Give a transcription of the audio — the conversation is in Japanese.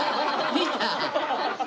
見た！